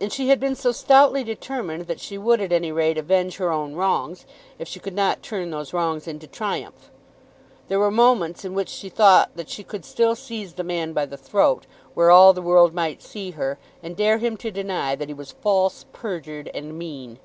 And she had been so stoutly determined that she would at any rate avenge her own wrongs, if she could not turn those wrongs into triumph! There were moments in which she thought that she could still seize the man by the throat, where all the world might see her, and dare him to deny that he was false, perjured, and mean.